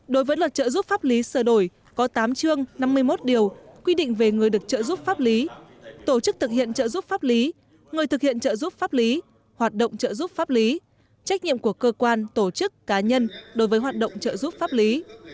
đối với luật trợ giúp pháp lý sơ đổi có tám chương năm mươi một điều quy định về người được trợ giúp pháp lý tổ chức thực hiện trợ giúp pháp lý người thực hiện trợ giúp pháp lý hoạt động trợ giúp pháp lý trách nhiệm của cơ quan tổ chức cá nhân đối với hoạt động trợ giúp pháp lý